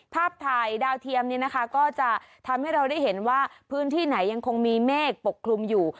ภาพถ่ายดาวเทียมเนี่ยนะคะก็จะทำให้เราได้เห็นว่าพื้นที่ไหนยังคงมีเมฆปกคลุมอยู่